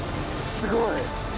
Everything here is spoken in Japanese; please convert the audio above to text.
すごい！